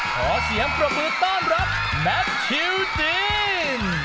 ขอเสียงประมูลต้อนรับแมทชิลดิน